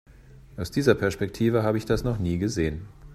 Aus dieser Perspektive habe ich das noch nie gesehen.